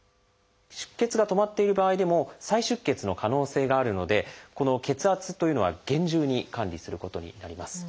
出血が止まっている場合でも再出血の可能性があるのでこの血圧というのは厳重に管理することになります。